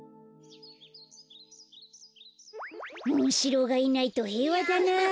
モンシローがいないとへいわだな。